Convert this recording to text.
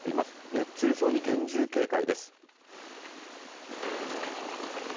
熱中症に厳重警戒です。